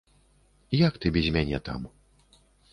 Як ты без мяне там?